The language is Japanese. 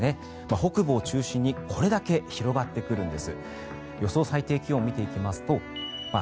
北部を中心にこれだけ広がってくるんです。